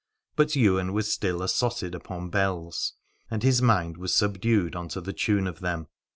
But Ywain was still assotted upon bells, and his mind was subdued unto the tune of them.